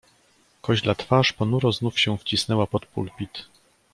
"Koźla twarz ponuro znów się wcisnęła pod pulpit."